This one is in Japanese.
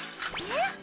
えっ！